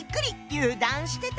油断してた！